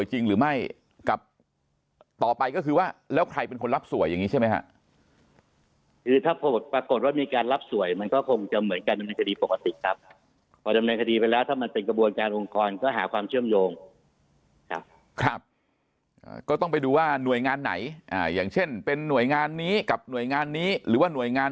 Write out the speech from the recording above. จริงเรียนกับท่านเจาะเลแล้วคงจะไปนะครับ